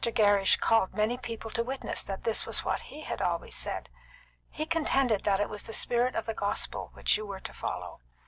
Gerrish called many people to witness that this was what he had always said. He contended that it was the spirit of the gospel which you were to follow.